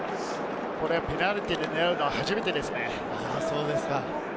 ペナルティーで狙うのは初めてですね。